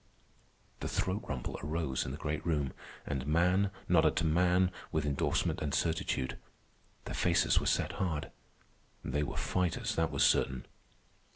The throat rumble arose in the great room, and man nodded to man with indorsement and certitude. Their faces were set hard. They were fighters, that was certain.